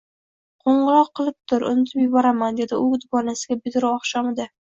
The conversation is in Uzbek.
Qoʻngʻiroq qilib tur, unutib yuborma, – dedi u dugonasiga bitiruv oqshomida.